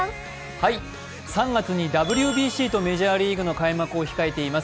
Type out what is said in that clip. ３月にＷＢＣとメジャーリーグの開幕を控えています